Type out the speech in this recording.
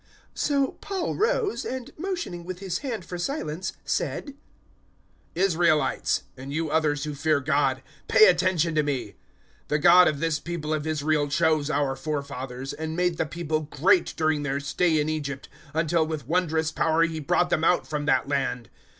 013:016 So Paul rose, and motioning with his hand for silence, said, "Israelites, and you others who fear God, pay attention to me. 013:017 The God of this people of Israel chose our forefathers, and made the people great during their stay in Egypt, until with wondrous power He brought them out from that land.